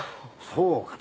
そうかと。